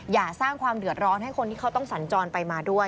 อย่าสร้างความเดือดร้อนให้คนที่เขาต้องสัญจรไปมาด้วย